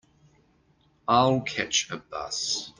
I'll catch a bus.